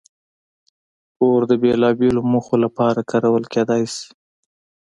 اور د بېلابېلو موخو لپاره کارول کېدی شي.